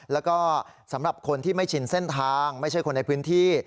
แล้วก็สำหรับคนที่ไม่ชินเส้นทางไม่ใช่คนในพื้นที่